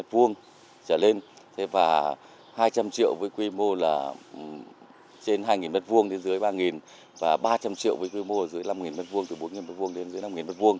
trở lên và hai trăm linh triệu với quy mô là trên hai m hai đến dưới ba và ba trăm linh triệu với quy mô dưới năm m hai từ bốn m hai đến dưới năm m hai